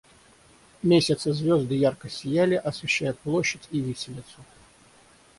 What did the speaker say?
Месяц и звезды ярко сияли, освещая площадь и виселицу.